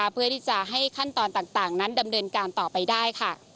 เพื่อที่จะให้ขั้นตอนต่างนั้นดำเนินการต่อไปได้ค่ะ